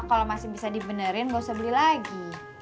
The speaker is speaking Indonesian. kalau masih bisa dibenerin nggak usah beli lagi